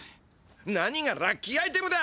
なにがラッキーアイテムだ。